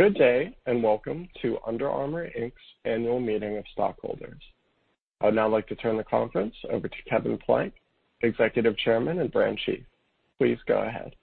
Good day, and welcome to Under Armour, Inc.'s annual meeting of stockholders. I would now like to turn the conference over to Kevin Plank, Executive Chairman and Brand Chief. Please go ahead.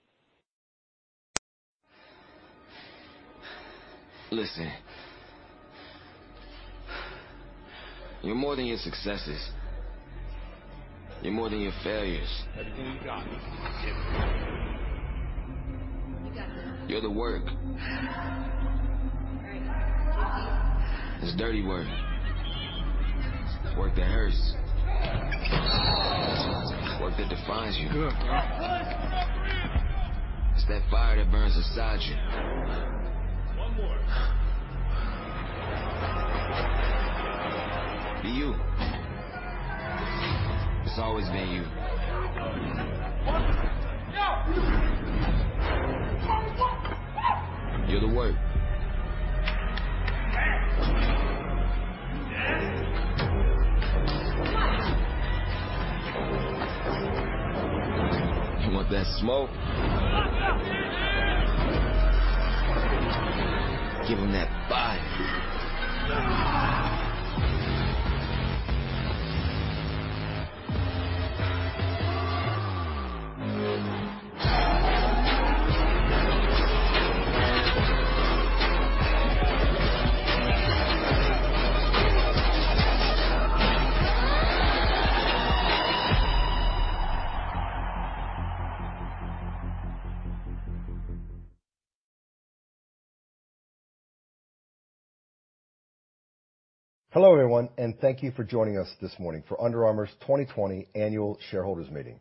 Hello, everyone, thank you for joining us this morning for Under Armour's 2020 Annual Shareholders Meeting.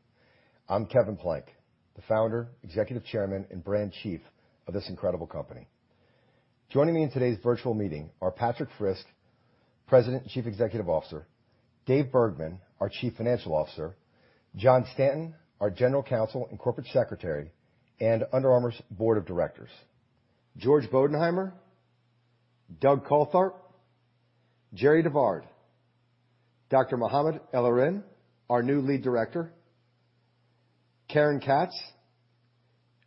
I'm Kevin Plank, the Founder, Executive Chairman, and Brand Chief of this incredible company. Joining me in today's virtual meeting are Patrik Frisk, President and Chief Executive Officer, Dave Bergman, our Chief Financial Officer, John Stanton, our General Counsel and Corporate Secretary, and Under Armour's Board of Directors, George Bodenheimer, Doug Coltharp, Jerri DeVard, Dr. Mohamed El-Erian, our new Lead Director, Karen Katz,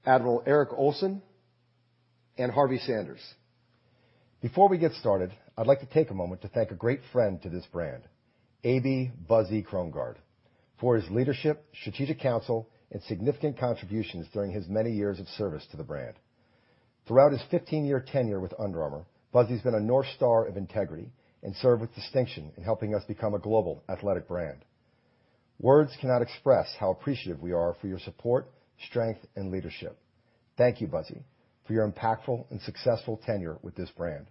Admiral Eric Olson, and Harvey Sanders. Before we get started, I'd like to take a moment to thank a great friend to this brand, A.B. "Buzzy" Krongard, for his leadership, strategic counsel, and significant contributions during his many years of service to the brand. Throughout his 15-year tenure with Under Armour, Buzzy's been a North Star of integrity and served with distinction in helping us become a global athletic brand. Words cannot express how appreciative we are for your support, strength, and leadership. Thank you, Buzzy, for your impactful and successful tenure with this brand.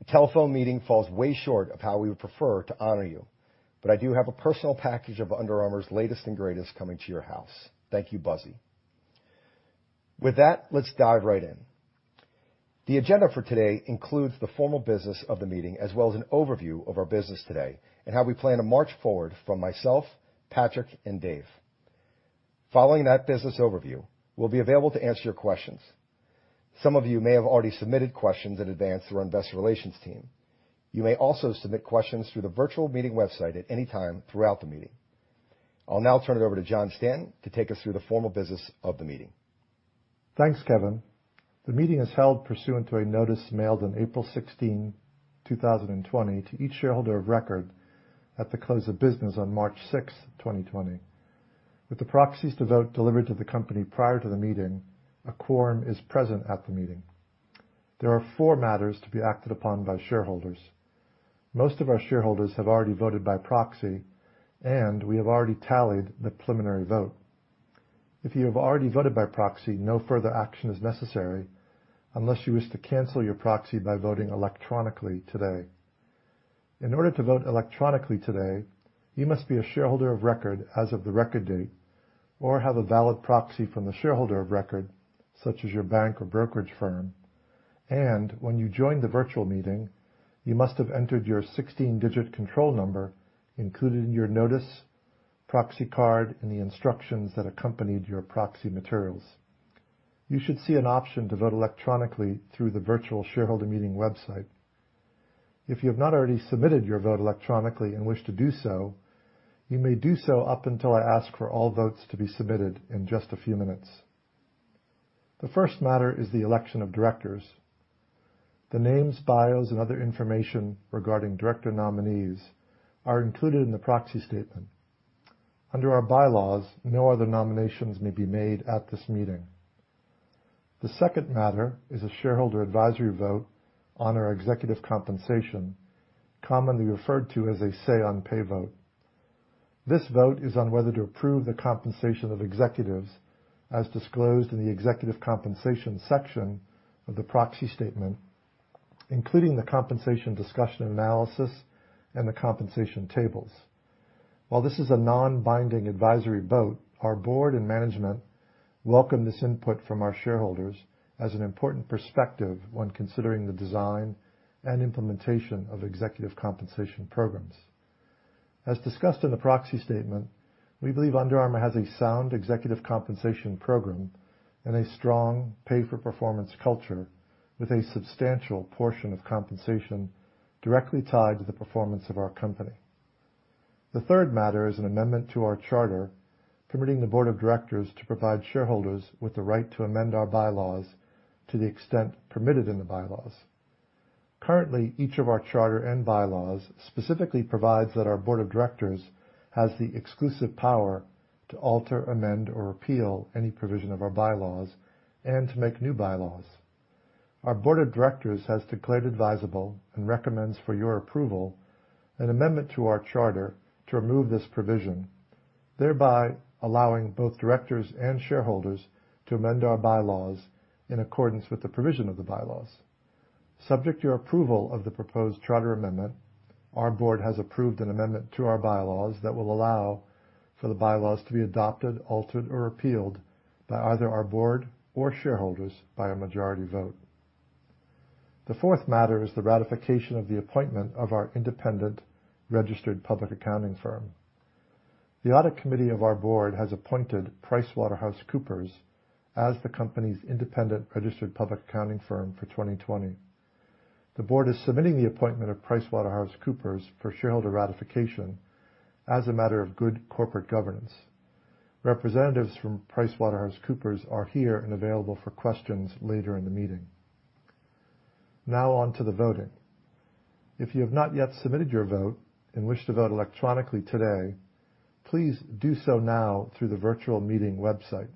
A telephone meeting falls way short of how we would prefer to honor you, but I do have a personal package of Under Armour's latest and greatest coming to your house. Thank you, Buzzy. With that, let's dive right in. The agenda for today includes the formal business of the meeting as well as an overview of our business today and how we plan to march forward from myself, Patrik, and Dave. Following that business overview, we'll be available to answer your questions. Some of you may have already submitted questions in advance through our investor relations team. You may also submit questions through the virtual meeting website at any time throughout the meeting. I'll now turn it over to John Stanton to take us through the formal business of the meeting. Thanks, Kevin. The meeting is held pursuant to a notice mailed on April 16, 2020, to each shareholder of record at the close of business on March 6, 2020. With the proxies to vote delivered to the company prior to the meeting, a quorum is present at the meeting. There are four matters to be acted upon by shareholders. Most of our shareholders have already voted by proxy, and we have already tallied the preliminary vote. If you have already voted by proxy, no further action is necessary unless you wish to cancel your proxy by voting electronically today. In order to vote electronically today, you must be a shareholder of record as of the record date or have a valid proxy from the shareholder of record, such as your bank or brokerage firm. When you joined the virtual meeting, you must have entered your 16-digit control number included in your notice, proxy card, and the instructions that accompanied your proxy materials. You should see an option to vote electronically through the virtual shareholder meeting website. If you have not already submitted your vote electronically and wish to do so, you may do so up until I ask for all votes to be submitted in just a few minutes. The first matter is the election of directors. The names, bios, and other information regarding director nominees are included in the proxy statement. Under Armour bylaws, no other nominations may be made at this meeting. The second matter is a shareholder advisory vote on our executive compensation, commonly referred to as a say-on-pay vote. This vote is on whether to approve the compensation of executives as disclosed in the executive compensation section of the proxy statement, including the compensation discussion analysis and the compensation tables. While this is a non-binding advisory vote, our board and management welcome this input from our shareholders as an important perspective when considering the design and implementation of executive compensation programs. As discussed in the proxy statement, we believe Under Armour has a sound executive compensation program and a strong pay-for-performance culture with a substantial portion of compensation directly tied to the performance of our company. The third matter is an amendment to our charter, permitting the board of directors to provide shareholders with the right to amend our bylaws to the extent permitted in the bylaws. Currently, each of our charter and bylaws specifically provides that our board of directors has the exclusive power to alter, amend, or repeal any provision of our bylaws and to make new bylaws. Our board of directors has declared advisable, and recommends for your approval, an amendment to our charter to remove this provision, thereby allowing both directors and shareholders to amend our bylaws in accordance with the provision of the bylaws. Subject to your approval of the proposed charter amendment, our board has approved an amendment to our bylaws that will allow for the bylaws to be adopted, altered, or repealed by either our board or shareholders by a majority vote. The fourth matter is the ratification of the appointment of our independent registered public accounting firm. The audit committee of our board has appointed PricewaterhouseCoopers as the company's independent registered public accounting firm for 2020. The board is submitting the appointment of PricewaterhouseCoopers for shareholder ratification as a matter of good corporate governance. Representatives from PricewaterhouseCoopers are here and available for questions later in the meeting. Now on to the voting. If you have not yet submitted your vote and wish to vote electronically today, please do so now through the virtual meeting website.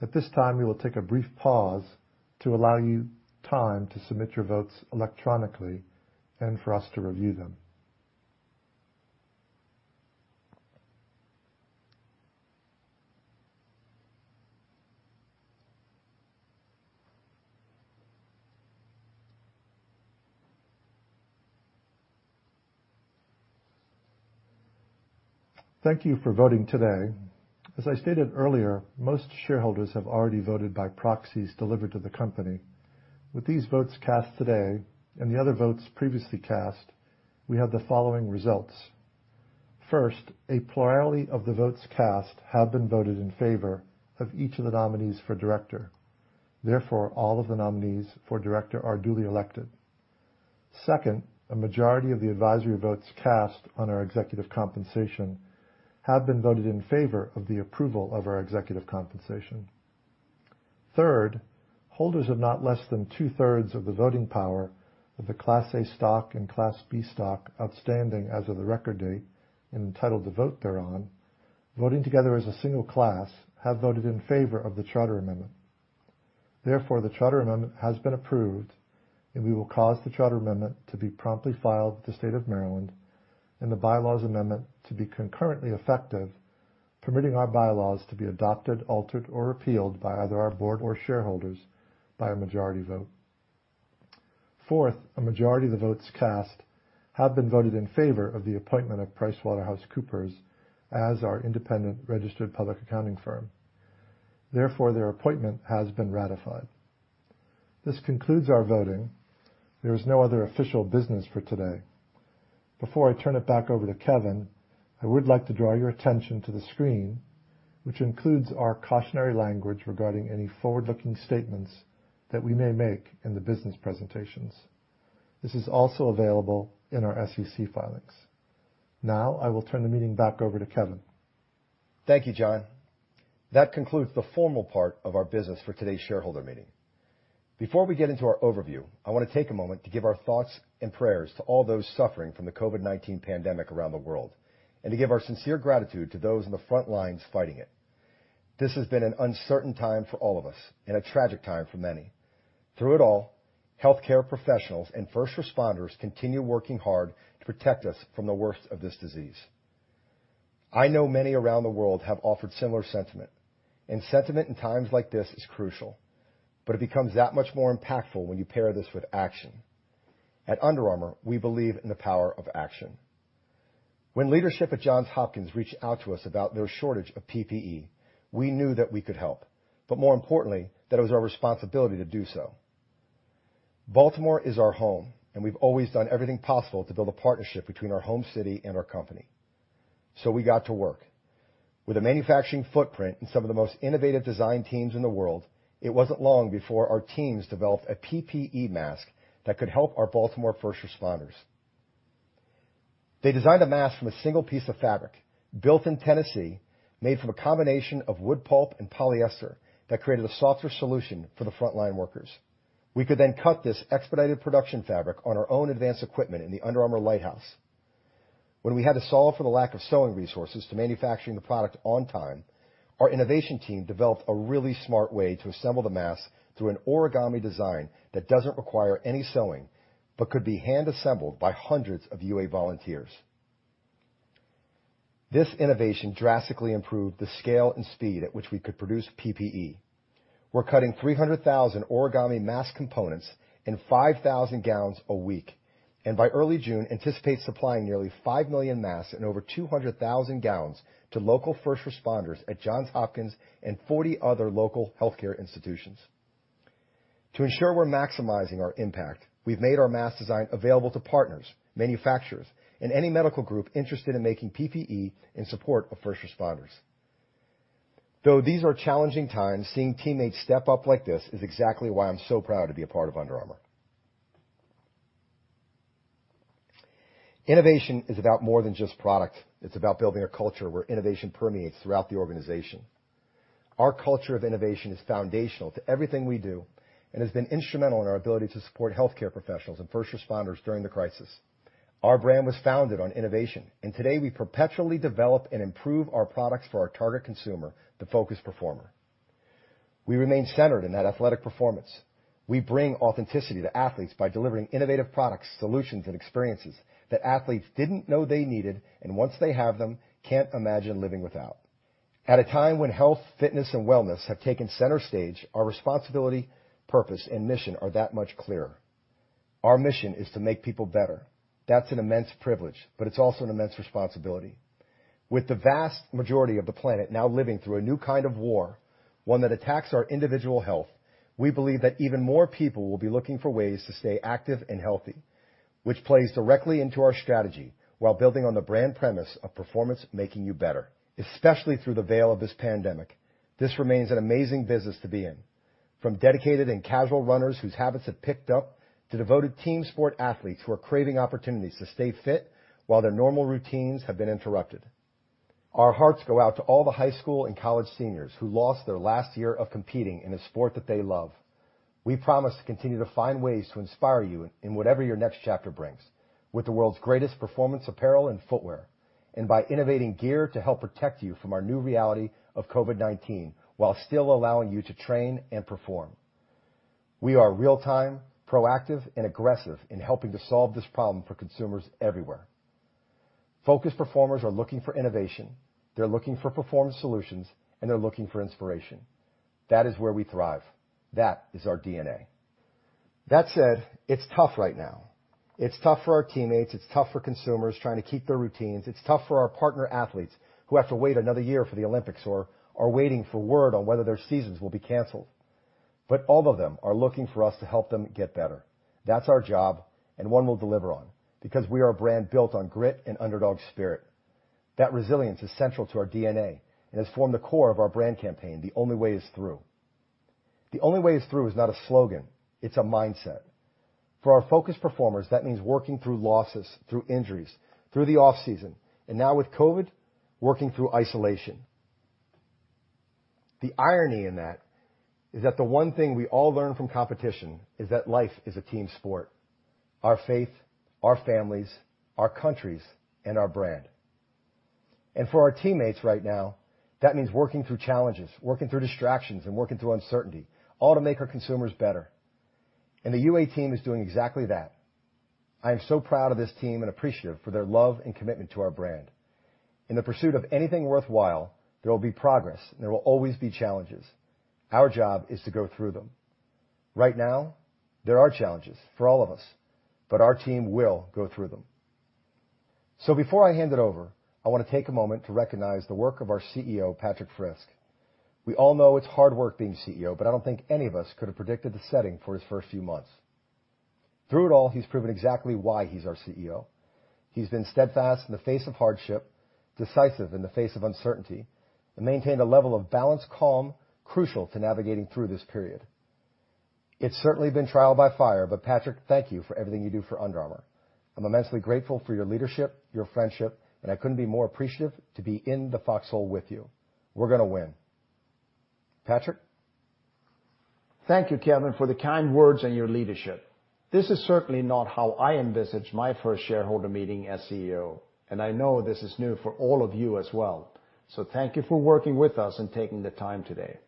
At this time, we will take a brief pause to allow you time to submit your votes electronically and for us to review them. Thank you for voting today. As I stated earlier, most shareholders have already voted by proxies delivered to the company. With these votes cast today and the other votes previously cast, we have the following results. First, a plurality of the votes cast have been voted in favor of each of the nominees for director. Therefore, all of the nominees for director are duly elected. Second, a majority of the advisory votes cast on our executive compensation have been voted in favor of the approval of our executive compensation. Third, holders of not less than two-thirds of the voting power of the Class A stock and Class B stock outstanding as of the record date and entitled to vote thereon, voting together as a single class, have voted in favor of the charter amendment. Therefore, the charter amendment has been approved, and we will cause the charter amendment to be promptly filed with the state of Maryland and the bylaws amendment to be concurrently effective, permitting our bylaws to be adopted, altered, or repealed by either our board or shareholders by a majority vote. Fourth, a majority of the votes cast have been voted in favor of the appointment of PricewaterhouseCoopers as our independent registered public accounting firm. Therefore, their appointment has been ratified. This concludes our voting. There is no other official business for today. Before I turn it back over to Kevin, I would like to draw your attention to the screen, which includes our cautionary language regarding any forward-looking statements that we may make in the business presentations. This is also available in our SEC filings. Now, I will turn the meeting back over to Kevin. Thank you, John. That concludes the formal part of our business for today's shareholder meeting. Before we get into our overview, I wanna take a moment to give our thoughts and prayers to all those suffering from the COVID-19 pandemic around the world and to give our sincere gratitude to those on the front lines fighting it. This has been an uncertain time for all of us and a tragic time for many. Through it all, healthcare professionals and first responders continue working hard to protect us from the worst of this disease. I know many around the world have offered similar sentiment. Sentiment in times like this is crucial. It becomes that much more impactful when you pair this with action. At Under Armour, we believe in the power of action. When leadership at Johns Hopkins reached out to us about their shortage of PPE, we knew that we could help, but more importantly, that it was our responsibility to do so. Baltimore is our home, and we've always done everything possible to build a partnership between our home city and our company. We got to work. With a manufacturing footprint and some of the most innovative design teams in the world, it wasn't long before our teams developed a PPE mask that could help our Baltimore first responders. They designed a mask from a single piece of fabric, built in Tennessee, made from a combination of wood pulp and polyester that created a softer solution for the front-line workers. We could then cut this expedited production fabric on our own advanced equipment in the Under Armour Lighthouse. When we had to solve for the lack of sewing resources to manufacturing the product on time, our innovation team developed a really smart way to assemble the masks through an origami design that doesn't require any sewing, but could be hand-assembled by hundreds of UA volunteers. This innovation drastically improved the scale and speed at which we could produce PPE. We're cutting 300,000 origami mask components and 5,000 gowns a week, and by early June, anticipate supplying nearly 5 million masks and over 200,000 gowns to local first responders at Johns Hopkins and 40 other local healthcare institutions. To ensure we're maximizing our impact, we've made our mask design available to partners, manufacturers, and any medical group interested in making PPE in support of first responders. Though these are challenging times, seeing teammates step up like this is exactly why I'm so proud to be a part of Under Armour. Innovation is about more than just product. It's about building a culture where innovation permeates throughout the organization. Our culture of innovation is foundational to everything we do and has been instrumental in our ability to support healthcare professionals and first responders during the crisis. Our brand was founded on innovation, and today we perpetually develop and improve our products for our target consumer, the focused performer. We remain centered in that athletic performance. We bring authenticity to athletes by delivering innovative products, solutions, and experiences that athletes didn't know they needed, and once they have them, can't imagine living without. At a time when health, fitness, and wellness have taken center stage, our responsibility, purpose, and mission are that much clearer. Our mission is to make people better. That's an immense privilege, but it's also an immense responsibility. With the vast majority of the planet now living through a new kind of war, one that attacks our individual health, we believe that even more people will be looking for ways to stay active and healthy, which plays directly into our strategy while building on the brand premise of performance making you better. Especially through the veil of this pandemic, this remains an amazing business to be in. From dedicated and casual runners whose habits have picked up to devoted team sport athletes who are craving opportunities to stay fit while their normal routines have been interrupted. Our hearts go out to all the high school and college seniors who lost their last year of competing in a sport that they love. We promise to continue to find ways to inspire you in whatever your next chapter brings with the world's greatest performance apparel and footwear, and by innovating gear to help protect you from our new reality of COVID-19, while still allowing you to train and perform. We are real-time, proactive, and aggressive in helping to solve this problem for consumers everywhere. Focused performers are looking for innovation. They're looking for performance solutions, and they're looking for inspiration. That is where we thrive. That is our DNA. That said, it's tough right now. It's tough for our teammates. It's tough for consumers trying to keep their routines. It's tough for our partner athletes who have to wait another year for the Olympics or are waiting for word on whether their seasons will be canceled. All of them are looking for us to help them get better. That's our job and one we'll deliver on because we are a brand built on grit and underdog spirit. That resilience is central to our DNA and has formed the core of our brand campaign, The Only Way Is Through. The Only Way Is Through is not a slogan, it's a mindset. For our focused performers, that means working through losses, through injuries, through the off-season, and now with COVID, working through isolation. The irony in that is that the one thing we all learn from competition is that life is a team sport, our faith, our families, our countries, and our brand. For our teammates right now, that means working through challenges, working through distractions, and working through uncertainty, all to make our consumers better. The UA team is doing exactly that. I am so proud of this team and appreciative for their love and commitment to our brand. In the pursuit of anything worthwhile, there will be progress and there will always be challenges. Our job is to go through them. Right now, there are challenges for all of us, but our team will go through them. Before I hand it over, I want to take a moment to recognize the work of our CEO, Patrik Frisk. We all know it's hard work being CEO, but I don't think any of us could have predicted the setting for his first few months. Through it all, he's proven exactly why he's our CEO. He's been steadfast in the face of hardship, decisive in the face of uncertainty, and maintained a level of balanced calm crucial to navigating through this period. It's certainly been trial by fire, Patrik, thank you for everything you do for Under Armour. I'm immensely grateful for your leadership, your friendship, and I couldn't be more appreciative to be in the foxhole with you. We're gonna win. Patrik? Thank you, Kevin, for the kind words and your leadership. This is certainly not how I envisaged my first shareholder meeting as CEO, and I know this is new for all of you as well, so thank you for working with us and taking the time today.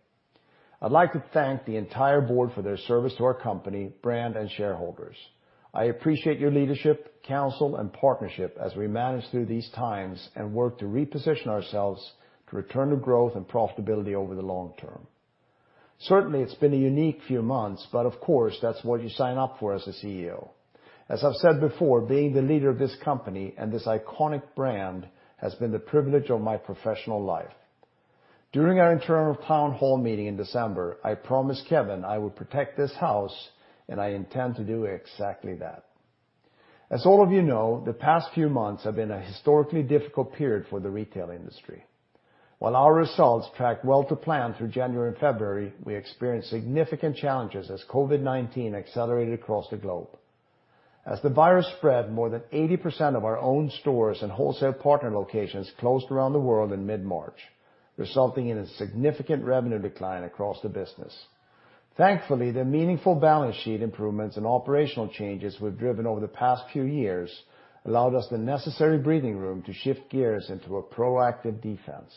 I'd like to thank the entire board for their service to our company, brand, and shareholders. I appreciate your leadership, counsel, and partnership as we manage through these times and work to reposition ourselves to return to growth and profitability over the long term. Certainly, it's been a unique few months, but of course, that's what you sign up for as a CEO. As I've said before, being the leader of this company and this iconic brand has been the privilege of my professional life. During our internal town hall meeting in December, I promised Kevin I would protect this house, and I intend to do exactly that. As all of you know, the past few months have been a historically difficult period for the retail industry. While our results tracked well to plan through January and February, we experienced significant challenges as COVID-19 accelerated across the globe. As the virus spread, more than 80% of our own stores and wholesale partner locations closed around the world in mid-March, resulting in a significant revenue decline across the business. Thankfully, the meaningful balance sheet improvements and operational changes we've driven over the past few years allowed us the necessary breathing room to shift gears into a proactive defense.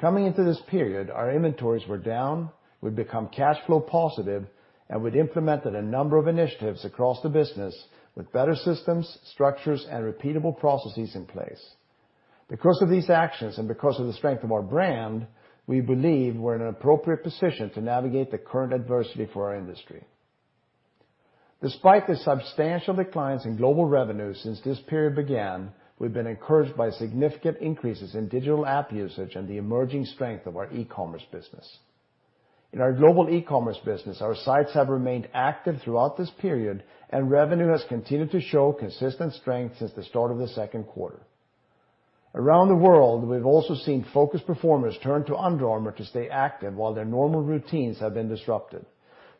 Coming into this period, our inventories were down, we'd become cash flow positive, and we'd implemented a number of initiatives across the business with better systems, structures, and repeatable processes in place. Because of these actions and because of the strength of our brand, we believe we're in an appropriate position to navigate the current adversity for our industry. Despite the substantial declines in global revenue since this period began, we've been encouraged by significant increases in digital app usage and the emerging strength of our e-commerce business. In our global e-commerce business, our sites have remained active throughout this period, and revenue has continued to show consistent strength since the start of the second quarter. Around the world, we've also seen focus performers turn to Under Armour to stay active while their normal routines have been disrupted.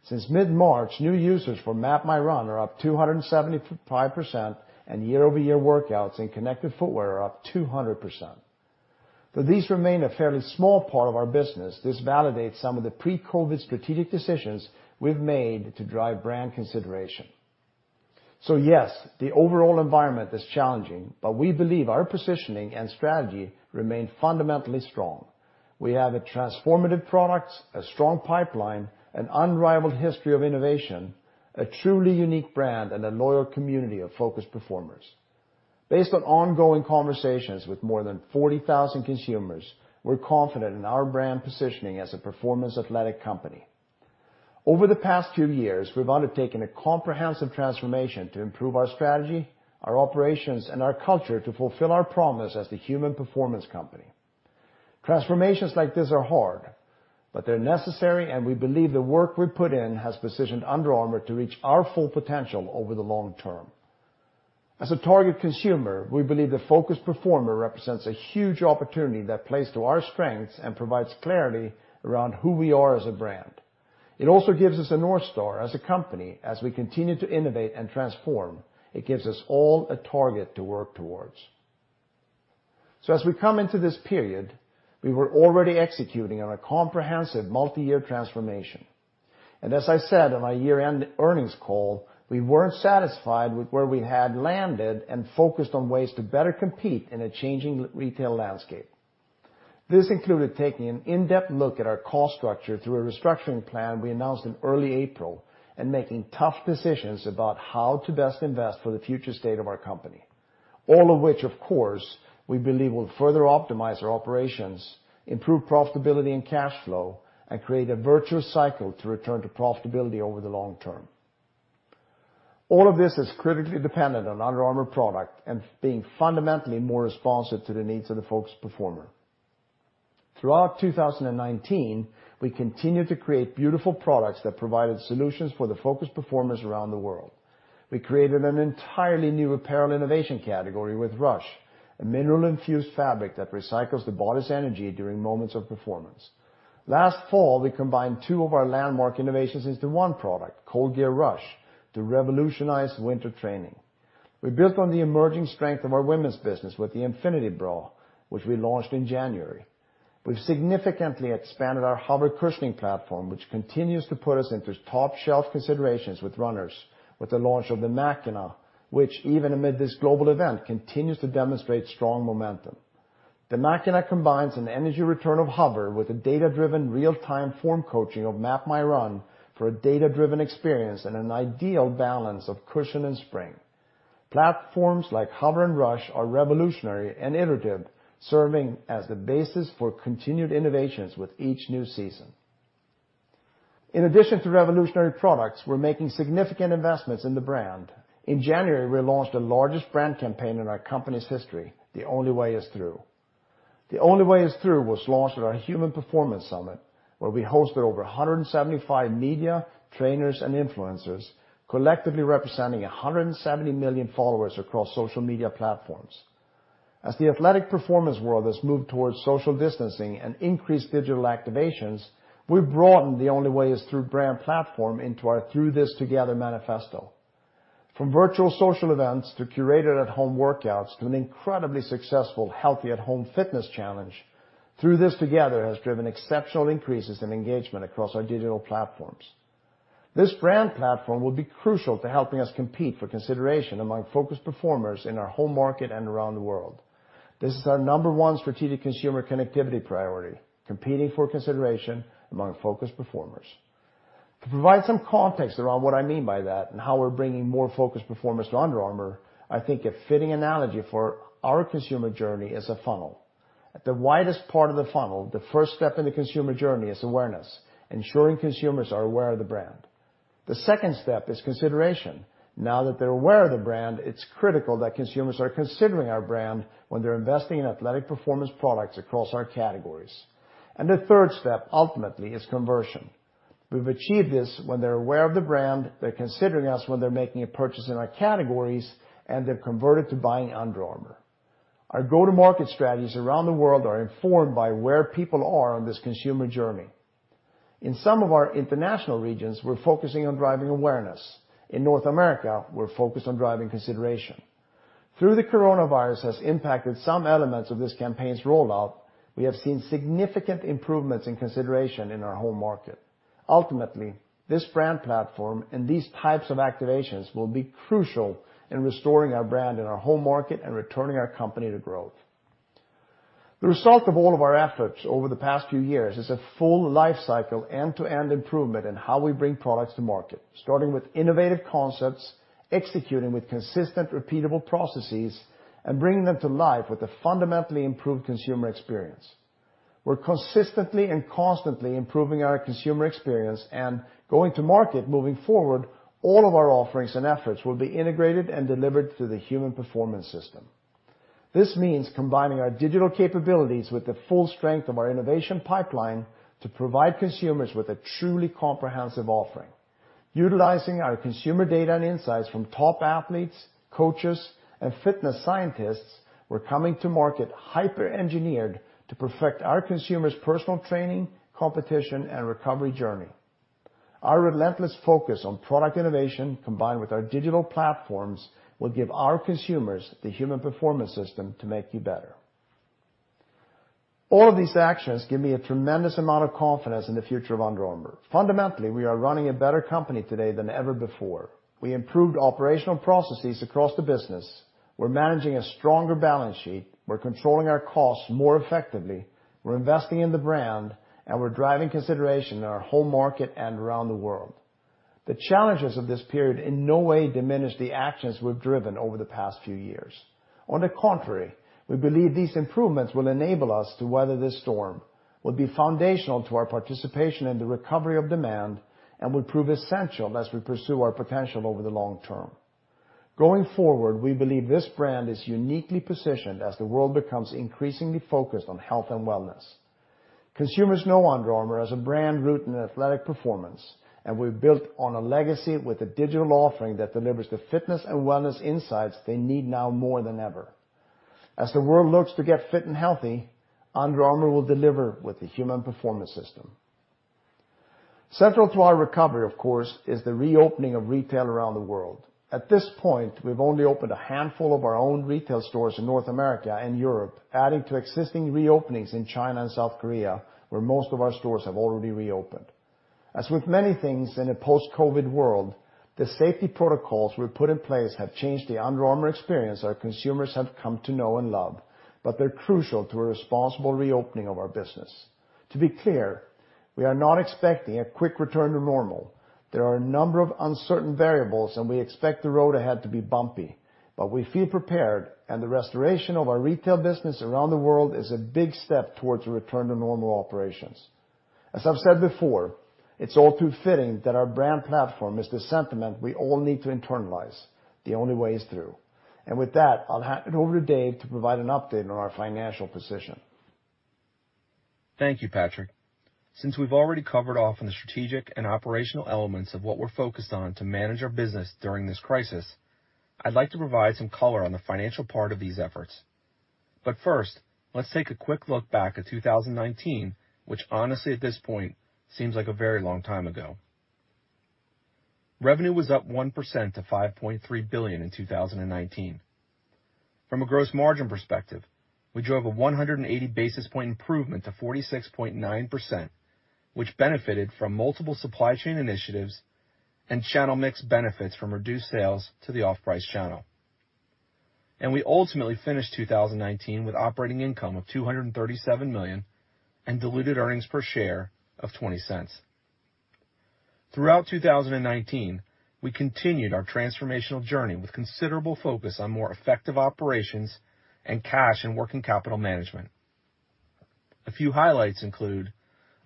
Since mid-March, new users for MapMyRun are up 275%, and year-over-year workouts in connected footwear are up 200%. Though these remain a fairly small part of our business, this validates some of the pre-COVID strategic decisions we've made to drive brand consideration. Yes, the overall environment is challenging, but we believe our positioning and strategy remain fundamentally strong. We have transformative products, a strong pipeline, an unrivaled history of innovation, a truly unique brand, and a loyal community of focus performers. Based on ongoing conversations with more than 40,000 consumers, we're confident in our brand positioning as a performance athletic company. Over the past few years, we've undertaken a comprehensive transformation to improve our strategy, our operations, and our culture to fulfill our promise as the human performance company. Transformations like this are hard, but they're necessary, and we believe the work we've put in has positioned Under Armour to reach our full potential over the long term. As a target consumer, we believe the focus performer represents a huge opportunity that plays to our strengths and provides clarity around who we are as a brand. It also gives us a North Star as a company. As we continue to innovate and transform, it gives us all a target to work towards. As we come into this period, we were already executing on a comprehensive multi-year transformation, and as I said on my year-end earnings call, we weren't satisfied with where we had landed and focused on ways to better compete in a changing retail landscape. This included taking an in-depth look at our cost structure through a restructuring plan we announced in early April and making tough decisions about how to best invest for the future state of our company. All of which, of course, we believe will further optimize our operations, improve profitability and cash flow, and create a virtuous cycle to return to profitability over the long term. All of this is critically dependent on Under Armour product and being fundamentally more responsive to the needs of the focused performer. Throughout 2019, we continued to create beautiful products that provided solutions for the focused performers around the world. We created an entirely new apparel innovation category with Rush, a mineral-infused fabric that recycles the body's energy during moments of performance. Last fall, we combined two of our landmark innovations into one product, ColdGear RUSH, to revolutionize winter training. We built on the emerging strength of our women's business with the Infinity Bra, which we launched in January. We've significantly expanded our HOVR cushioning platform, which continues to put us into top-shelf considerations with runners with the launch of the Machina, which, even amid this global event, continues to demonstrate strong momentum. The Machina combines an energy return of HOVR with the data-driven real-time form coaching of MapMyRun for a data-driven experience and an ideal balance of cushion and spring. Platforms like HOVR and Rush are revolutionary and iterative, serving as the basis for continued innovations with each new season. In addition to revolutionary products, we're making significant investments in the brand. In January, we launched the largest brand campaign in our company's history, The Only Way Is Through. The Only Way Is Through was launched at our Human Performance Summit, where we hosted over 175 media, trainers, and influencers, collectively representing 170 million followers across social media platforms. As the athletic performance world has moved towards social distancing and increased digital activations, we've broadened The Only Way Is Through brand platform into our Through This Together manifesto. From virtual social events to curated at-home workouts to an incredibly successful healthy at-home fitness challenge, Through This Together has driven exceptional increases in engagement across our digital platforms. This brand platform will be crucial to helping us compete for consideration among focused performers in our home market and around the world. This is our number one strategic consumer connectivity priority, competing for consideration among focused performers. To provide some context around what I mean by that and how we're bringing more focused performers to Under Armour, I think a fitting analogy for our consumer journey is a funnel. At the widest part of the funnel, the first step in the consumer journey is awareness, ensuring consumers are aware of the brand. The second step is consideration. Now that they're aware of the brand, it's critical that consumers are considering our brand when they're investing in athletic performance products across our categories. The third step, ultimately, is conversion. We've achieved this when they're aware of the brand, they're considering us when they're making a purchase in our categories, and they've converted to buying Under Armour. Our go-to-market strategies around the world are informed by where people are on this consumer journey. In some of our international regions, we're focusing on driving awareness. In North America, we're focused on driving consideration. Though the coronavirus has impacted some elements of this campaign's rollout, we have seen significant improvements in consideration in our home market. Ultimately, this brand platform and these types of activations will be crucial in restoring our brand in our home market and returning our company to growth. The result of all of our efforts over the past few years is a full lifecycle end-to-end improvement in how we bring products to market, starting with innovative concepts, executing with consistent, repeatable processes, and bringing them to life with a fundamentally improved consumer experience. We're consistently and constantly improving our consumer experience and going to market. Moving forward, all of our offerings and efforts will be integrated and delivered through the Human Performance System. This means combining our digital capabilities with the full strength of our innovation pipeline to provide consumers with a truly comprehensive offering. Utilizing our consumer data and insights from top athletes, coaches, and fitness scientists, we're coming to market hyper-engineered to perfect our consumers' personal training, competition, and recovery journey. Our relentless focus on product innovation, combined with our digital platforms, will give our consumers the Human Performance System to make you better. All of these actions give me a tremendous amount of confidence in the future of Under Armour. Fundamentally, we are running a better company today than ever before. We improved operational processes across the business. We're managing a stronger balance sheet. We're controlling our costs more effectively. We're investing in the brand, and we're driving consideration in our home market and around the world. The challenges of this period in no way diminish the actions we've driven over the past few years. On the contrary, we believe these improvements will enable us to weather this storm, will be foundational to our participation in the recovery of demand, and will prove essential as we pursue our potential over the long term. Going forward, we believe this brand is uniquely positioned as the world becomes increasingly focused on health and wellness. Consumers know Under Armour as a brand rooted in athletic performance, and we've built on a legacy with a digital offering that delivers the fitness and wellness insights they need now more than ever. As the world looks to get fit and healthy, Under Armour will deliver with the Human Performance System. Central to our recovery, of course, is the reopening of retail around the world. At this point, we've only opened a handful of our own retail stores in North America and Europe, adding to existing reopenings in China and South Korea, where most of our stores have already reopened. As with many things in a post-COVID world, the safety protocols we put in place have changed the Under Armour experience our consumers have come to know and love, but they're crucial to a responsible reopening of our business. To be clear, we are not expecting a quick return to normal. There are a number of uncertain variables, and we expect the road ahead to be bumpy, but we feel prepared, and the restoration of our retail business around the world is a big step towards a return to normal operations. As I've said before, it's all too fitting that our brand platform is the sentiment we all need to internalize. The Only Way Is Through. With that, I'll hand it over to Dave to provide an update on our financial position. Thank you, Patrik. Since we've already covered off on the strategic and operational elements of what we're focused on to manage our business during this crisis, I'd like to provide some color on the financial part of these efforts. First, let's take a quick look back at 2019, which honestly, at this point, seems like a very long time ago. Revenue was up 1% to $5.3 billion in 2019. From a gross margin perspective, we drove a 180 basis points improvement to 46.9%, which benefited from multiple supply chain initiatives and channel mix benefits from reduced sales to the off-price channel. We ultimately finished 2019 with operating income of $237 million and diluted earnings per share of $0.20. Throughout 2019, we continued our transformational journey with considerable focus on more effective operations and cash and working capital management. A few highlights include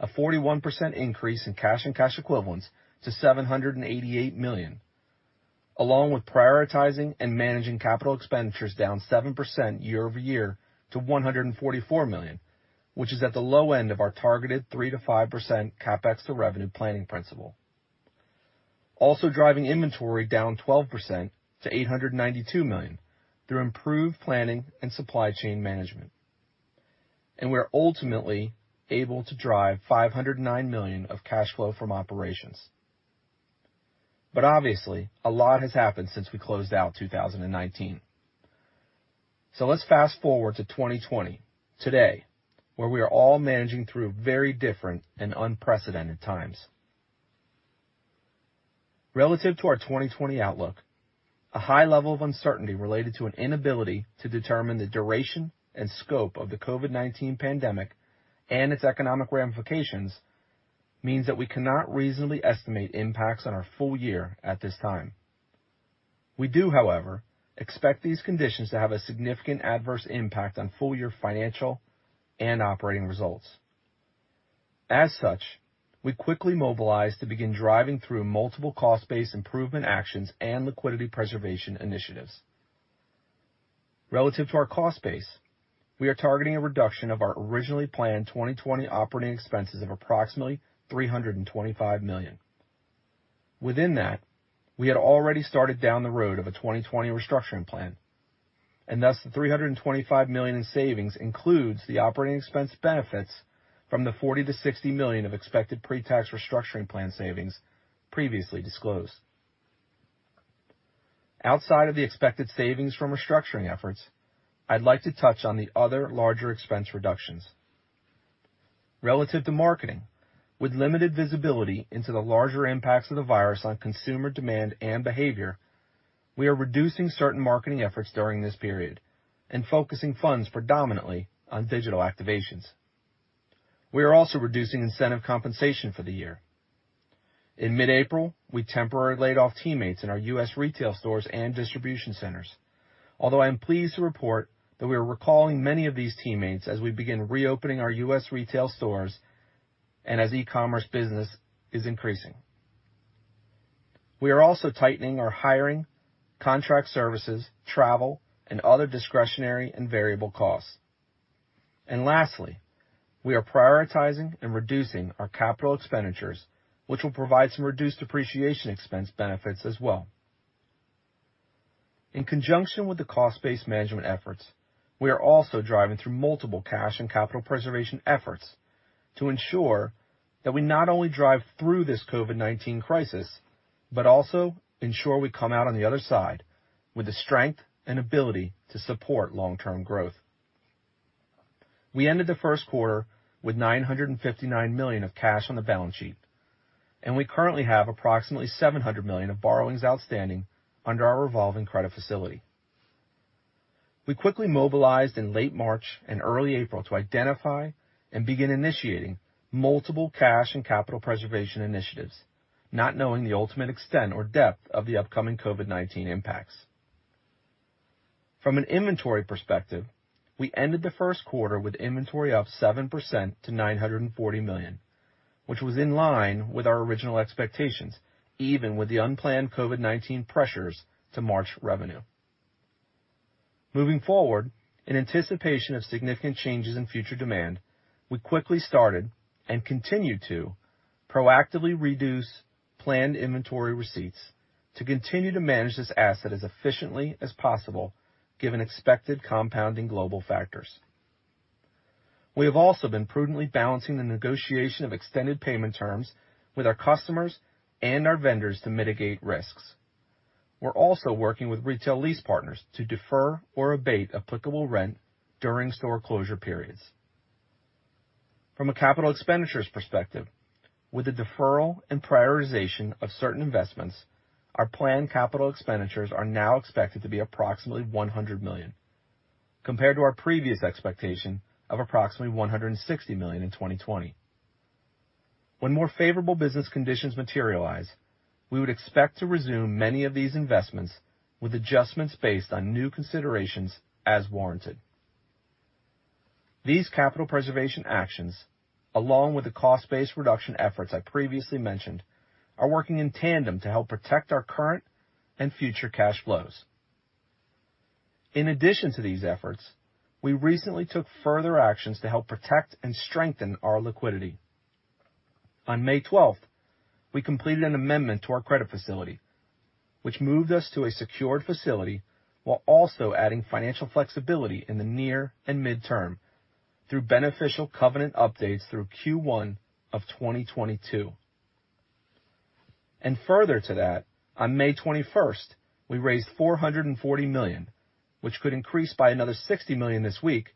a 41% increase in cash and cash equivalents to $788 million, along with prioritizing and managing capital expenditures down 7% year-over-year to $144 million, which is at the low end of our targeted 3%-5% CapEx to revenue planning principle. Also driving inventory down 12% to $892 million through improved planning and supply chain management. We're ultimately able to drive $509 million of cash flow from operations. Obviously, a lot has happened since we closed out 2019. Let's fast-forward to 2020, today, where we are all managing through very different and unprecedented times. Relative to our 2020 outlook, a high level of uncertainty related to an inability to determine the duration and scope of the COVID-19 pandemic and its economic ramifications means that we cannot reasonably estimate impacts on our full year at this time. We do, however, expect these conditions to have a significant adverse impact on full-year financial and operating results. We quickly mobilized to begin driving through multiple cost-based improvement actions and liquidity preservation initiatives. Relative to our cost base, we are targeting a reduction of our originally planned 2020 operating expenses of approximately $325 million. Within that, we had already started down the road of a 2020 restructuring plan, the $325 million in savings includes the operating expense benefits from the $40 million-$60 million of expected pre-tax restructuring plan savings previously disclosed. Outside of the expected savings from restructuring efforts, I'd like to touch on the other larger expense reductions. Relative to marketing, with limited visibility into the larger impacts of the virus on consumer demand and behavior, we are reducing certain marketing efforts during this period and focusing funds predominantly on digital activations. We are also reducing incentive compensation for the year. In mid-April, we temporarily laid off teammates in our U.S. retail stores and distribution centers. Although I am pleased to report that we are recalling many of these teammates as we begin reopening our U.S. retail stores and as e-commerce business is increasing. We are also tightening our hiring, contract services, travel, and other discretionary and variable costs. Lastly, we are prioritizing and reducing our capital expenditures, which will provide some reduced depreciation expense benefits as well. In conjunction with the cost-based management efforts, we are also driving through multiple cash and capital preservation efforts to ensure that we not only drive through this COVID-19 crisis, but also ensure we come out on the other side with the strength and ability to support long-term growth. We ended the first quarter with $959 million of cash on the balance sheet, and we currently have approximately $700 million of borrowings outstanding under our revolving credit facility. We quickly mobilized in late March and early April to identify and begin initiating multiple cash and capital preservation initiatives, not knowing the ultimate extent or depth of the upcoming COVID-19 impacts. From an inventory perspective, we ended the first quarter with inventory up 7% to $940 million, which was in line with our original expectations, even with the unplanned COVID-19 pressures to March revenue. Moving forward, in anticipation of significant changes in future demand, we quickly started and continue to proactively reduce planned inventory receipts to continue to manage this asset as efficiently as possible, given expected compounding global factors. We have also been prudently balancing the negotiation of extended payment terms with our customers and our vendors to mitigate risks. We're also working with retail lease partners to defer or abate applicable rent during store closure periods. From a capital expenditures perspective, with the deferral and prioritization of certain investments, our planned capital expenditures are now expected to be approximately $100 million, compared to our previous expectation of approximately $160 million in 2020. When more favorable business conditions materialize, we would expect to resume many of these investments with adjustments based on new considerations as warranted. These capital preservation actions, along with the cost-based reduction efforts I previously mentioned, are working in tandem to help protect our current and future cash flows. In addition to these efforts, we recently took further actions to help protect and strengthen our liquidity. On May 12th, we completed an amendment to our credit facility, which moved us to a secured facility while also adding financial flexibility in the near and midterm through beneficial covenant updates through Q1 of 2022. Further to that, on May 21st, we raised $440 million, which could increase by another $60 million this week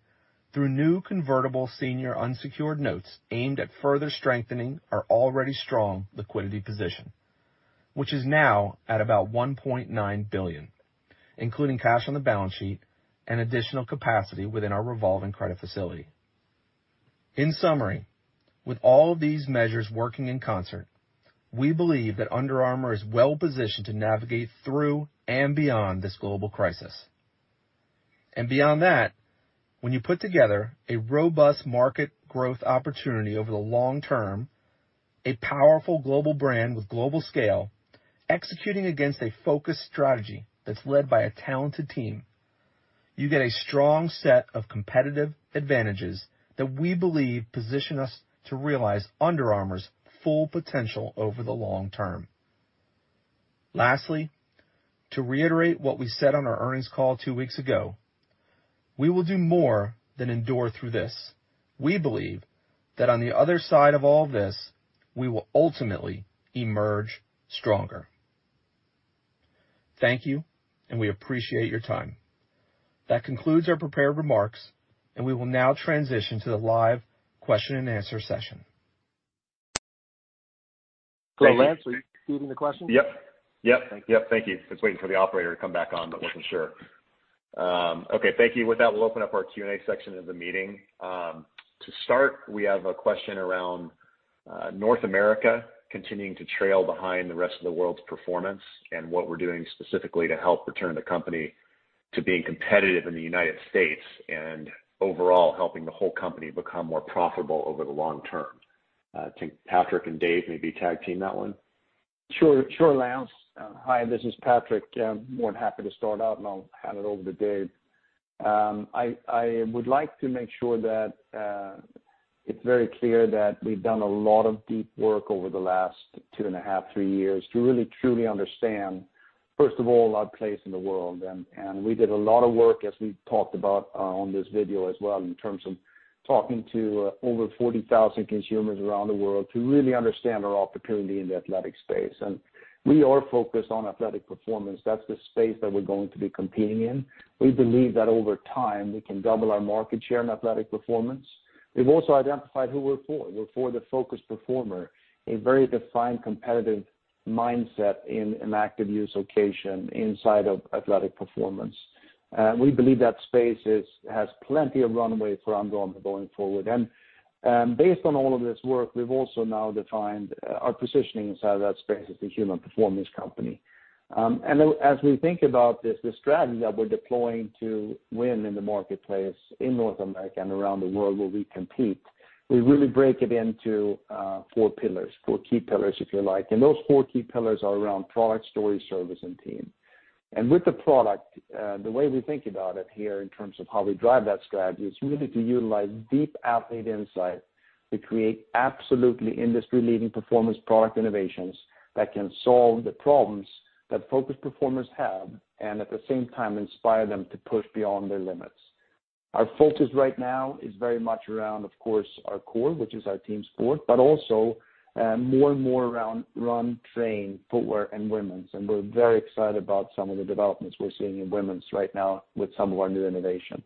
through new convertible senior unsecured notes aimed at further strengthening our already strong liquidity position, which is now at about $1.9 billion, including cash on the balance sheet and additional capacity within our revolving credit facility. In summary, with all of these measures working in concert, we believe that Under Armour is well-positioned to navigate through and beyond this global crisis. Beyond that, when you put together a robust market growth opportunity over the long term, a powerful global brand with global scale, executing against a focused strategy that's led by a talented team, you get a strong set of competitive advantages that we believe position us to realize Under Armour's full potential over the long term. Lastly, to reiterate what we said on our earnings call two weeks ago, we will do more than endure through this. We believe that on the other side of all this, we will ultimately emerge stronger. Thank you, and we appreciate your time. That concludes our prepared remarks, and we will now transition to the live question and answer session. Lance, are you fielding the questions? Yep. Thank you. Yep, thank you. Just waiting for the operator to come back on, but wasn't sure. Okay, thank you. With that, we'll open up our Q&A section of the meeting. To start, we have a question around North America continuing to trail behind the rest of the world's performance and what we're doing specifically to help return the company to being competitive in the United States and overall helping the whole company become more profitable over the long term. I think Patrik and Dave maybe tag-team that one. Sure, Lance. Hi, this is Patrik. More than happy to start out, and I'll hand it over to Dave. I would like to make sure that it's very clear that we've done a lot of deep work over the last two and a half, three years to really, truly understand, first of all, our place in the world. We did a lot of work, as we talked about on this video as well, in terms of talking to over 40,000 consumers around the world to really understand our opportunity in the athletic space. We are focused on athletic performance. That's the space that we're going to be competing in. We believe that over time, we can double our market share in athletic performance. We've also identified who we're for. We're for the focused performer, a very defined competitive mindset in an active use occasion inside of athletic performance. We believe that space has plenty of runway for Under Armour going forward. Based on all of this work, we've also now defined our positioning inside of that space as the Human Performance Company. As we think about this, the strategy that we're deploying to win in the marketplace in North America and around the world where we compete, we really break it into four pillars, four key pillars, if you like. Those four key pillars are around product, story, service, and team. With the product, the way we think about it here in terms of how we drive that strategy is really to utilize deep athlete insight to create absolutely industry-leading performance product innovations that can solve the problems that focused performers have, and at the same time inspire them to push beyond their limits. Our focus right now is very much around, of course, our core, which is our team sport, but also more and more around run, train, footwear, and women's. We're very excited about some of the developments we're seeing in women's right now with some of our new innovation.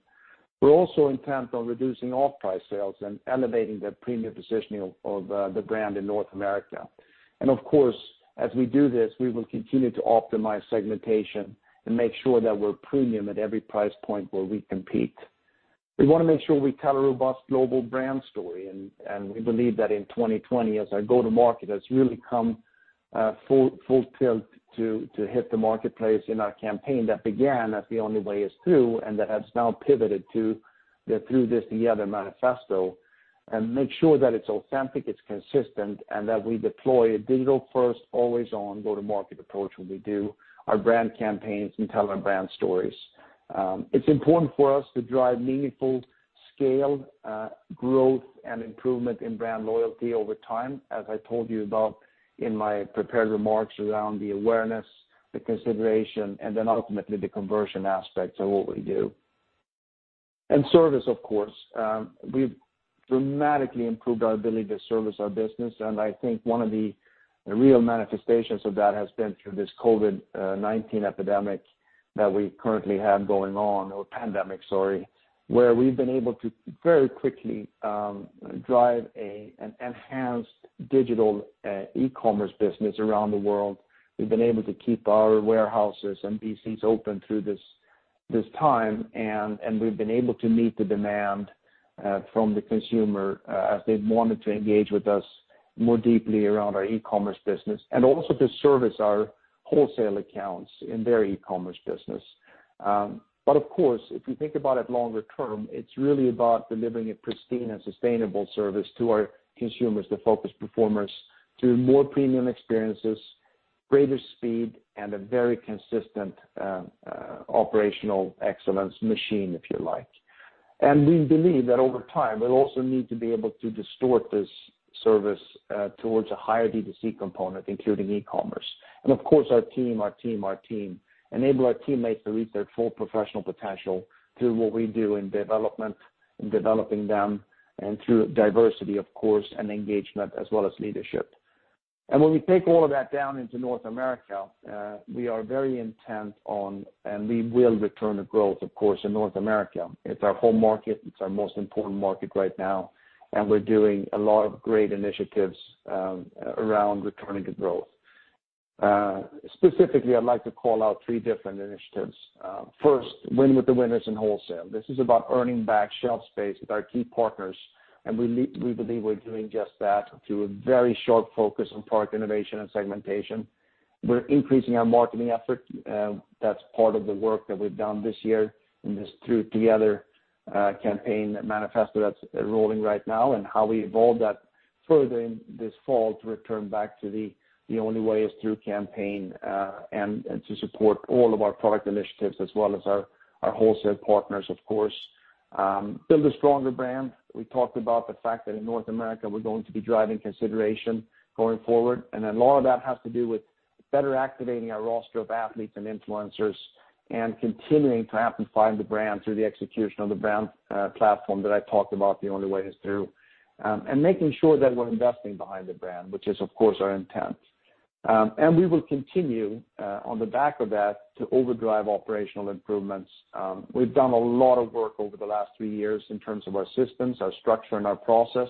We're also intent on reducing off-price sales and elevating the premium positioning of the brand in North America. Of course, as we do this, we will continue to optimize segmentation and make sure that we're premium at every price point where we compete. We want to make sure we tell a robust global brand story, and we believe that in 2020 as our go-to-market has really come full tilt to hit the marketplace in our campaign that began as The Only Way Is Through, and that has now pivoted to the Through This Together manifesto, and make sure that it's authentic, it's consistent, and that we deploy a digital-first, always-on go-to-market approach when we do our brand campaigns and tell our brand stories. It's important for us to drive meaningful scale, growth, and improvement in brand loyalty over time, as I told you about in my prepared remarks around the awareness, the consideration, and then ultimately the conversion aspects of what we do. Service, of course. We've dramatically improved our ability to service our business, and I think one of the real manifestations of that has been through this COVID-19 epidemic that we currently have going on, or pandemic, sorry, where we've been able to very quickly drive an enhanced digital e-commerce business around the world. We've been able to keep our warehouses and DCs open through this time, and we've been able to meet the demand from the consumer as they've wanted to engage with us more deeply around our e-commerce business, and also to service our wholesale accounts in their e-commerce business. Of course, if you think about it longer term, it's really about delivering a pristine and sustainable service to our consumers, the focused performers, through more premium experiences, greater speed, and a very consistent operational excellence machine, if you like. We believe that over time, we'll also need to be able to distort this service towards a higher D2C component, including e-commerce. Of course, our team. Enable our teammates to reach their full professional potential through what we do in development and developing them, and through diversity, of course, and engagement as well as leadership. When we take all of that down into North America, we are very intent on, and we will return to growth, of course, in North America. It's our home market. It's our most important market right now, and we're doing a lot of great initiatives around returning to growth. Specifically, I'd like to call out three different initiatives. First, win with the winners in wholesale. This is about earning back shelf space with our key partners, and we believe we're doing just that through a very sharp focus on product innovation and segmentation. We're increasing our marketing effort. That's part of the work that we've done this year in this Through This Together campaign manifesto that's rolling right now, and how we evolve that further this fall to return back to The Only Way Is Through campaign, and to support all of our product initiatives as well as our wholesale partners, of course. Build a stronger brand. We talked about the fact that in North America, we're going to be driving consideration going forward. A lot of that has to do with better activating our roster of athletes and influencers and continuing to amplify the brand through the execution of the brand platform that I talked about, The Only Way Is Through. Making sure that we're investing behind the brand, which is, of course, our intent. We will continue, on the back of that, to overdrive operational improvements. We've done a lot of work over the last three years in terms of our systems, our structure, and our process,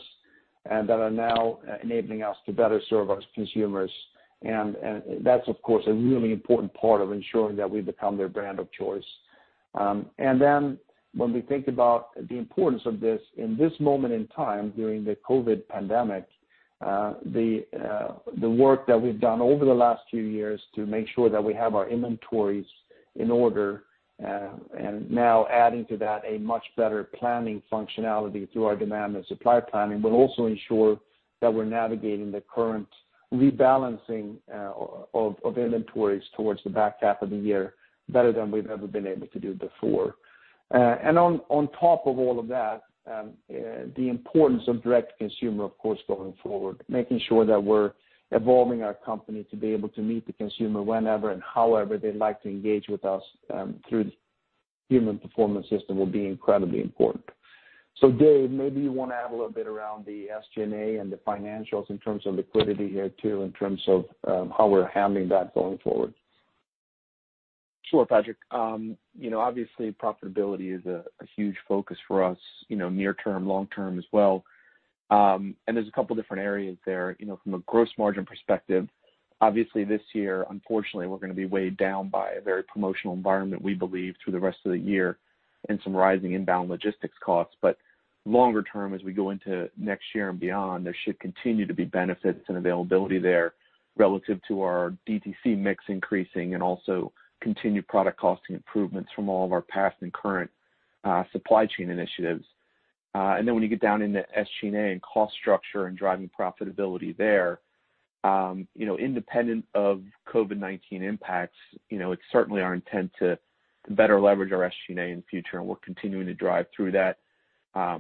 and that are now enabling us to better serve our consumers. That's, of course, a really important part of ensuring that we become their brand of choice. When we think about the importance of this in this moment in time during the COVID pandemic, the work that we've done over the last few years to make sure that we have our inventories in order, and now adding to that a much better planning functionality through our demand and supply planning, will also ensure that we're navigating the current rebalancing of inventories towards the back half of the year better than we've ever been able to do before. On top of all of that, the importance of direct consumer, of course, going forward. Making sure that we're evolving our company to be able to meet the consumer whenever and however they like to engage with us through the Human Performance System will be incredibly important. Dave, maybe you want to add a little bit around the SG&A and the financials in terms of liquidity here too, in terms of how we're handling that going forward. Sure, Patrik. Obviously profitability is a huge focus for us near term, long term as well. There's a couple different areas there. From a gross margin perspective, obviously this year, unfortunately, we're going to be weighed down by a very promotional environment, we believe, through the rest of the year. Some rising inbound logistics costs. Longer term, as we go into next year and beyond, there should continue to be benefits and availability there relative to our DTC mix increasing and also continued product costing improvements from all of our past and current supply chain initiatives. When you get down into SG&A and cost structure and driving profitability there, independent of COVID-19 impacts, it's certainly our intent to better leverage our SG&A in the future, and we're continuing to drive through that.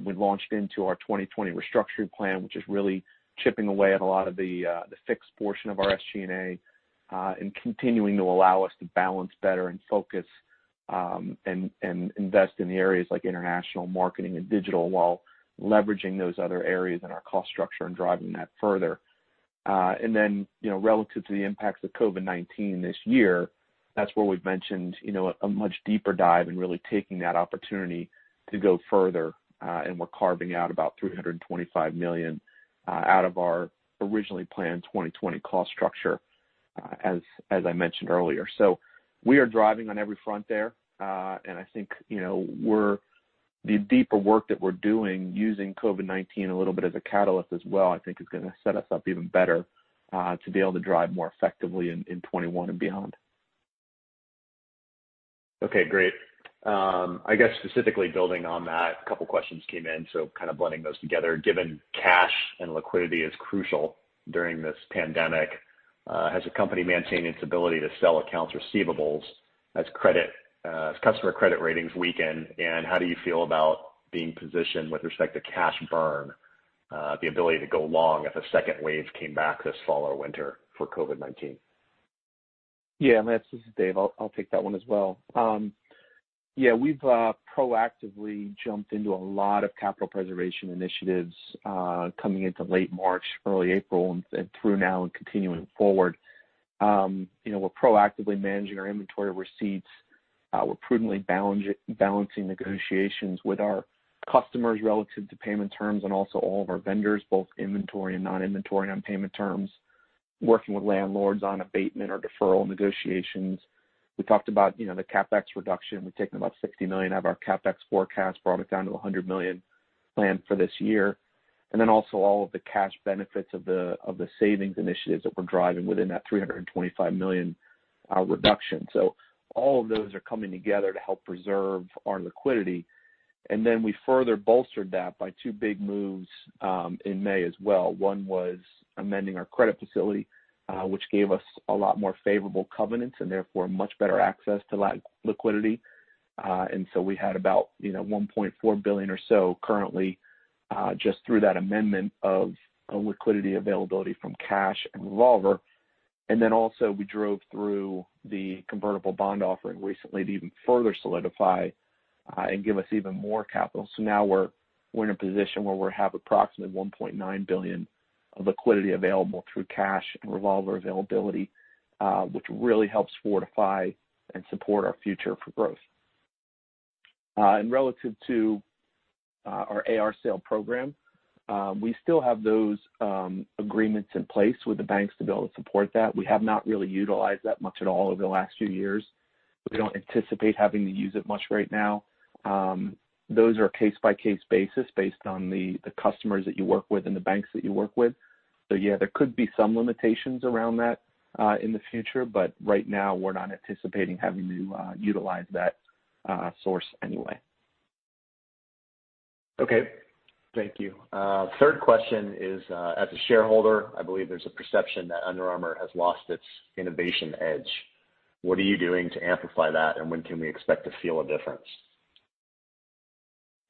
We've launched into our 2020 restructuring plan, which is really chipping away at a lot of the fixed portion of our SG&A, and continuing to allow us to balance better and focus, and invest in the areas like international marketing and digital while leveraging those other areas in our cost structure and driving that further. Relative to the impacts of COVID-19 this year, that's where we've mentioned a much deeper dive and really taking that opportunity to go further. We're carving out about $325 million out of our originally planned 2020 cost structure, as I mentioned earlier. We are driving on every front there. I think the deeper work that we're doing using COVID-19 a little bit as a catalyst as well, I think is going to set us up even better to be able to drive more effectively in 2021 and beyond. Okay, great. I guess specifically building on that, a couple questions came in, so kind of blending those together. Given cash and liquidity is crucial during this pandemic, has the company maintained its ability to sell accounts receivable as customer credit ratings weaken? How do you feel about being positioned with respect to cash burn, the ability to go long if a second wave came back this fall or winter for COVID-19? Lance, this is Dave. I'll take that one as well. We've proactively jumped into a lot of capital preservation initiatives, coming into late March, early April and through now and continuing forward. We're proactively managing our inventory receipts. We're prudently balancing negotiations with our customers relative to payment terms and also all of our vendors, both inventory and non-inventory on payment terms, working with landlords on abatement or deferral negotiations. We talked about the CapEx reduction. We've taken about $60 million of our CapEx forecast, brought it down to $100 million planned for this year. Also all of the cash benefits of the savings initiatives that we're driving within that $325 million reduction. All of those are coming together to help preserve our liquidity. We further bolstered that by two big moves in May as well. One was amending our credit facility, which gave us a lot more favorable covenants and therefore much better access to liquidity. We had about $1.4 billion or so currently, just through that amendment of liquidity availability from cash and revolver. Also we drove through the convertible bond offering recently to even further solidify and give us even more capital. Now we're in a position where we have approximately $1.9 billion of liquidity available through cash and revolver availability, which really helps fortify and support our future for growth. Relative to our AR sale program, we still have those agreements in place with the banks to be able to support that. We have not really utilized that much at all over the last few years. We don't anticipate having to use it much right now. Those are case-by-case basis based on the customers that you work with and the banks that you work with. Yeah, there could be some limitations around that in the future, but right now, we're not anticipating having to utilize that source anyway. Okay. Thank you. Third question is, as a shareholder, I believe there's a perception that Under Armour has lost its innovation edge. What are you doing to amplify that, and when can we expect to feel a difference?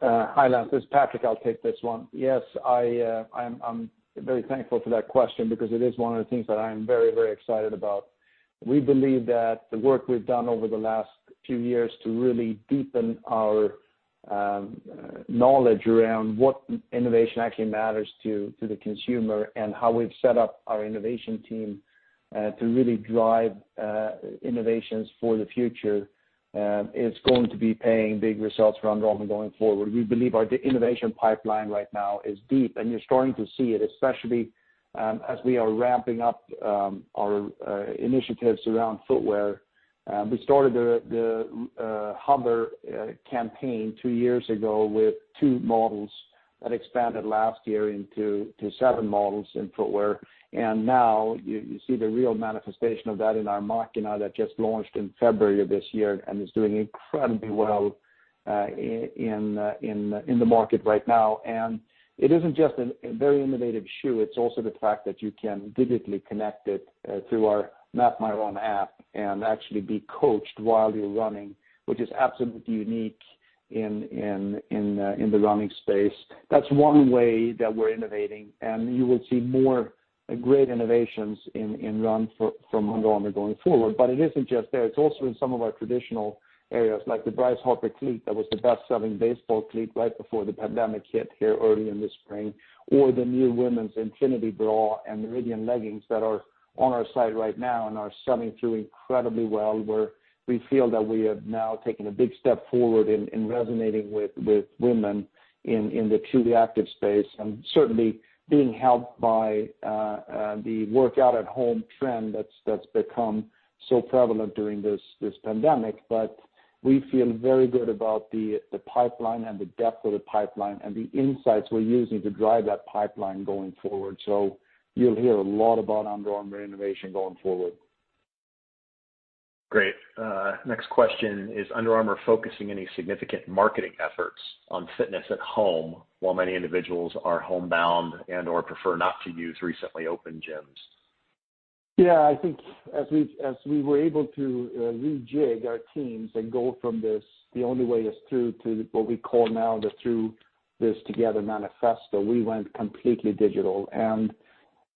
Hi, Lance. This is Patrik. I'll take this one. I'm very thankful for that question because it is one of the things that I am very excited about. We believe that the work we've done over the last few years to really deepen our knowledge around what innovation actually matters to the consumer and how we've set up our innovation team, to really drive innovations for the future, is going to be paying big results for Under Armour going forward. We believe our innovation pipeline right now is deep, you're starting to see it, especially as we are ramping up our initiatives around footwear. We started the HOVR campaign two years ago with two models that expanded last year into seven models in footwear. Now you see the real manifestation of that in our Machina that just launched in February of this year and is doing incredibly well in the market right now. It isn't just a very innovative shoe, it's also the fact that you can digitally connect it through our MapMyRun app and actually be coached while you're running, which is absolutely unique in the running space. That's one way that we're innovating, and you will see more great innovations in run from Under Armour going forward. It isn't just there. It's also in some of our traditional areas, like the Bryce Harper cleat that was the best-selling baseball cleat right before the pandemic hit here early in the spring, or the new women's Infinity Bra and Meridian leggings that are on our site right now and are selling through incredibly well, where we feel that we have now taken a big step forward in resonating with women in the truly active space and certainly being helped by the workout at home trend that's become so prevalent during this pandemic. We feel very good about the pipeline and the depth of the pipeline and the insights we're using to drive that pipeline going forward. You'll hear a lot about Under Armour innovation going forward. Great. Next question: is Under Armour focusing any significant marketing efforts on fitness at home while many individuals are homebound and/or prefer not to use recently opened gyms? Yeah, I think as we were able to rejig our teams and go from this, "The Only Way Is Through" to what we call now the "Through This Together" manifesto, we went completely digital.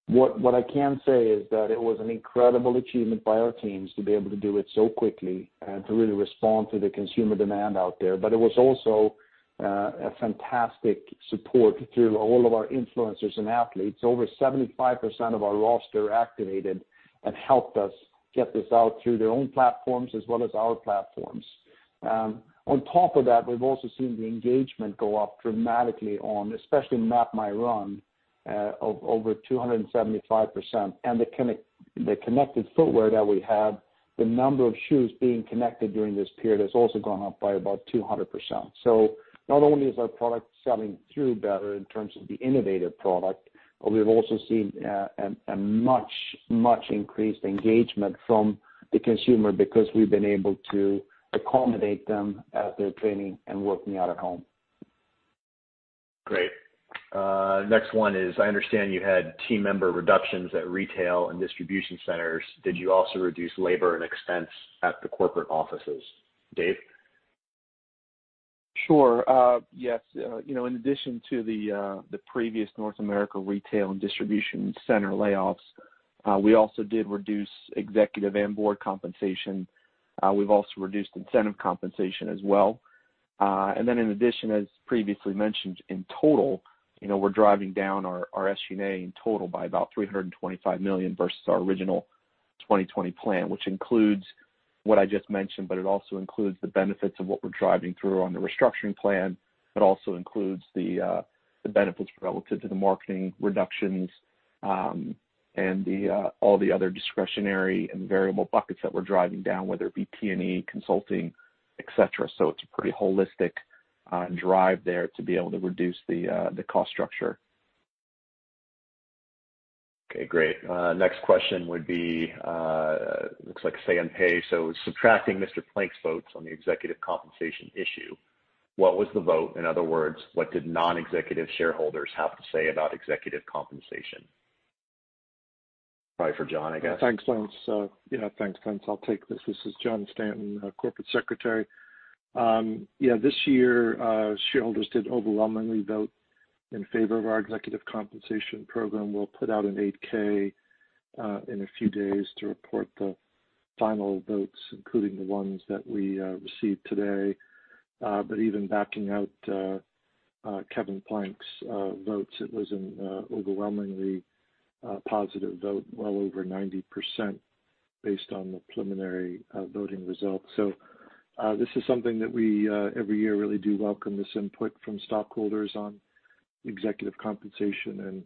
What I can say is that it was an incredible achievement by our teams to be able to do it so quickly and to really respond to the consumer demand out there. It was also a fantastic support through all of our influencers and athletes. Over 75% of our roster activated and helped us get this out through their own platforms as well as our platforms. On top of that, we've also seen the engagement go up dramatically on especially MapMyRun of over 275%. The connected footwear that we have, the number of shoes being connected during this period has also gone up by about 200%. Not only is our product selling through better in terms of the innovative product, but we've also seen a much increased engagement from the consumer because we've been able to accommodate them as they're training and working out at home. Great. Next one is, I understand you had team member reductions at retail and distribution centers. Did you also reduce labor and expense at the corporate offices? Dave? Sure. Yes. In addition to the previous North America retail and distribution center layoffs, we also did reduce executive and board compensation. We've also reduced incentive compensation as well. In addition, as previously mentioned, in total, we're driving down our SG&A in total by about $325 million versus our original 2020 plan, which includes what I just mentioned, but it also includes the benefits of what we're driving through on the restructuring plan. It also includes the benefits relative to the marketing reductions, and all the other discretionary and variable buckets that we're driving down, whether it be T&E, consulting, et cetera. It's a pretty holistic drive there to be able to reduce the cost structure. Okay, great. Next question would be, looks like Say on Pay. Subtracting Mr. Plank's votes on the executive compensation issue, what was the vote? In other words, what did non-executive shareholders have to say about executive compensation? Probably for John, I guess. Thanks, Lance. I'll take this. This is John Stanton, corporate secretary. Yeah, this year, shareholders did overwhelmingly vote in favor of our executive compensation program. We'll put out an 8-K in a few days to report the final votes, including the ones that we received today. Even backing out Kevin Plank's votes, it was an overwhelmingly positive vote, well over 90% based on the preliminary voting results. This is something that we every year really do welcome this input from stockholders on executive compensation and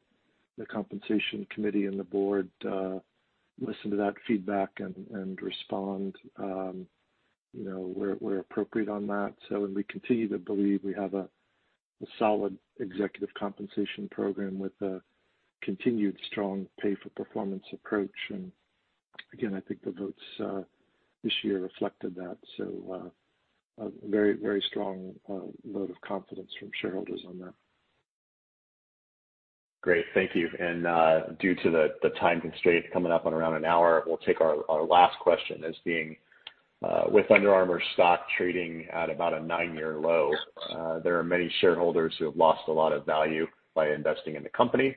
the compensation committee and the board listen to that feedback and respond where appropriate on that. We continue to believe we have a solid executive compensation program with a continued strong pay-for-performance approach. Again, I think the votes this year reflected that. A very strong vote of confidence from shareholders on that. Great. Thank you. Due to the time constraint coming up on around an hour, we'll take our last question as being, with Under Armour stock trading at about a nine-year low, there are many shareholders who have lost a lot of value by investing in the company.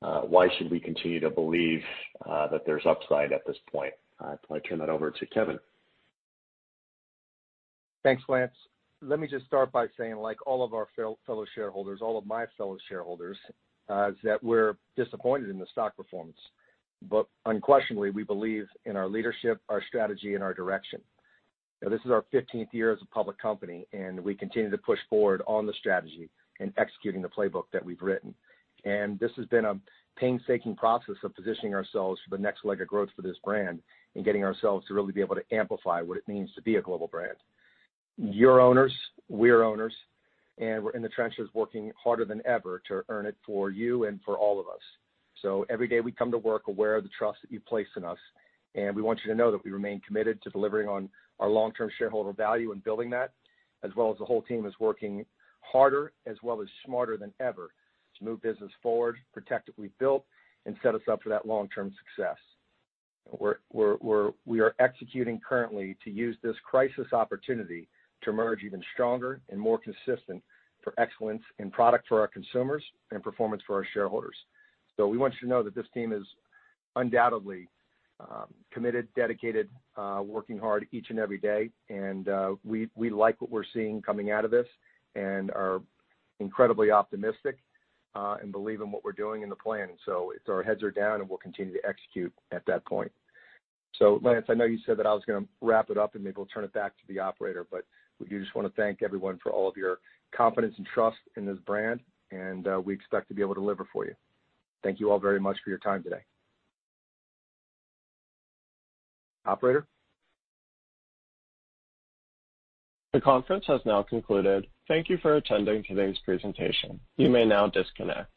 Why should we continue to believe that there's upside at this point? I turn that over to Kevin. Thanks, Lance. Let me just start by saying, like all of our fellow shareholders, all of my fellow shareholders, is that we're disappointed in the stock performance. Unquestionably, we believe in our leadership, our strategy, and our direction. This is our 15th year as a public company. We continue to push forward on the strategy and executing the playbook that we've written. This has been a painstaking process of positioning ourselves for the next leg of growth for this brand and getting ourselves to really be able to amplify what it means to be a global brand. You're owners, we're owners. We're in the trenches working harder than ever to earn it for you and for all of us. Every day we come to work aware of the trust that you've placed in us, and we want you to know that we remain committed to delivering on our long-term shareholder value and building that, as well as the whole team is working harder as well as smarter than ever to move business forward, protect what we've built, and set us up for that long-term success. We are executing currently to use this crisis opportunity to emerge even stronger and more consistent for excellence in product for our consumers and performance for our shareholders. We want you to know that this team is undoubtedly committed, dedicated, working hard each and every day. We like what we're seeing coming out of this and are incredibly optimistic and believe in what we're doing and the plan. Our heads are down, and we'll continue to execute at that point. Lance, I know you said that I was going to wrap it up and maybe we'll turn it back to the operator, but we just want to thank everyone for all of your confidence and trust in this brand, and we expect to be able to deliver for you. Thank you all very much for your time today. Operator? The conference has now concluded. Thank you for attending today's presentation. You may now disconnect.